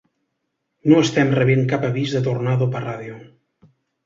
No estem rebent cap avís de tornado per ràdio.